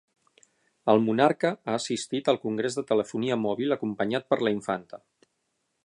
El monarca ha assistit al congrés de telefonia mòbil acompanyat per la Infanta